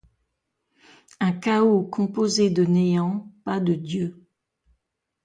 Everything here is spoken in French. Un chaos composé de néants ; pas de Dieu.